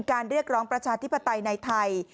เรียกร้องประชาธิปไตยในไทย